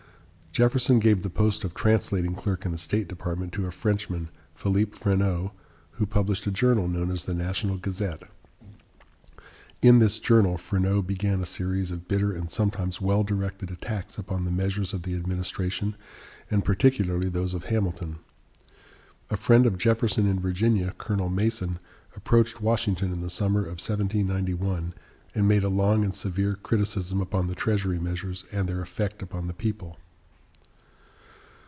Jefferson gave the post of translating clerk in the State Department to a Frenchman, Philip Freneau, who published a journal known as the "National Gazette." In this journal Freneau began a series of bitter and sometimes well directed attacks upon the measures of the administration, and particularly those of Hamilton. A friend of Jefferson in Virginia, Colonel Mason, approached Washington in the summer of 1791, and made a long and severe criticism upon the Treasury measures and their effect upon the people.